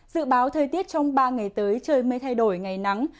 dự báo thời tiết trong ba ngày tới trời mây thay đổi ngày nắng